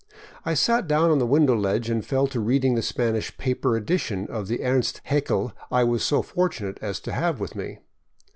I sat down on the window ledge and fell to reading the Spanish paper edition of Ernst Haeckel I was so fortunate as to have with me.